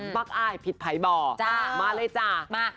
บั๊กอ้ายผิดไผบ่บ่จ้ะมาเลยจ้ะมา